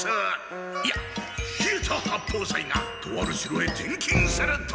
いや稗田八方斎がとある城へ転勤すると。